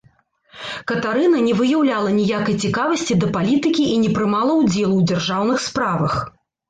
Катарына не выяўляла ніякай цікавасці да палітыкі і не прымала ўдзелу ў дзяржаўных справах.